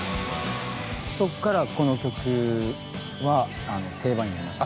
そこからこの曲は定番になりました。